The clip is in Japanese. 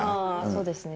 そうですね